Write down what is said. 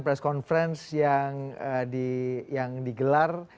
pengalaman yang digelar